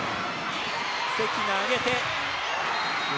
関が上げて。